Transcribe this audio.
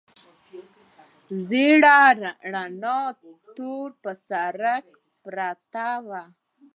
ژېړه رڼا، لاندې پر تور سړک پرته وه.